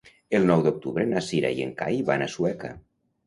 El nou d'octubre na Cira i en Cai van a Sueca.